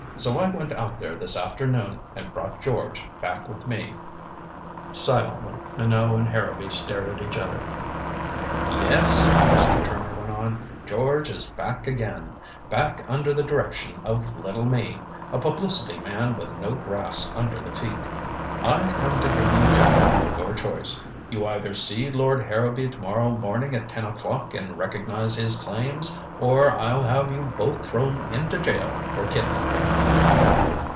So I went out there this afternoon and brought George back with me." Silently Minot and Harrowby stared at each other. "Yes," Mr. Trimmer went on, "George is back again back under the direction of little me, a publicity man with no grass under the feet. I've come to give you gentlemen your choice. You either see Lord Harrowby to morrow morning at ten o'clock and recognize his claims, or I'll have you both thrown into jail for kidnaping."